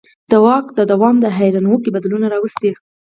د واک دوام دا حیرانوونکی بدلون راوستی.